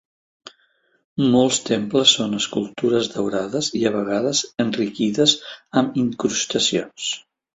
Molts temples són escultures daurades i, a vegades, enriquides amb incrustacions.